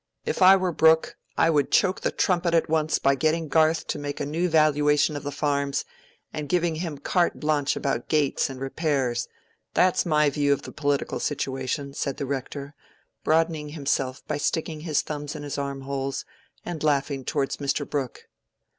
If I were Brooke, I would choke the 'Trumpet' at once by getting Garth to make a new valuation of the farms, and giving him carte blanche about gates and repairs: that's my view of the political situation," said the Rector, broadening himself by sticking his thumbs in his armholes, and laughing towards Mr. Brooke.